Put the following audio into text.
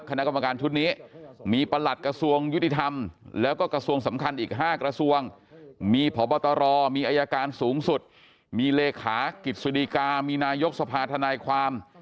คณะกรรมการชุดนี้มีประหลัดกระทรวงยุติธรรมแล้วก็กระทรวงสำคัญอีก๕กระทรวงมีพบตรมีอายการสูงสุดมีเลขากิจสดีกามีนายกสภาธนายความ